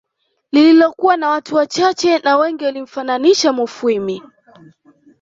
Lililokuwa na watu wachache na Wengi walimfananisha Mufwimi